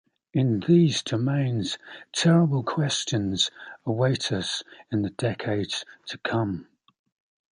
In these domains, terrible questions await us in the decades to come.